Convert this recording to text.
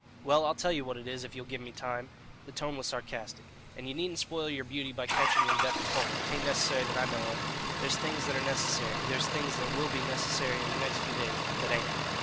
"Well, I'll tell you what it is if ye'll give me time" the tone was sarcastic "and you needn't spoil yer beauty by catching yer death of cold. 'Tain't nicessary, that I know of. There's things that are nicessary; there's things that will be nicessary in the next few days; but that ain't."